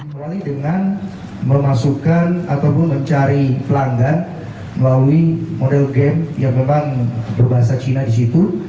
mulai dengan memasukkan ataupun mencari pelanggan melalui model game yang memang berbahasa cina di situ